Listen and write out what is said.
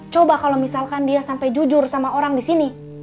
coba kalau misalkan dia sampai jujur sama orang disini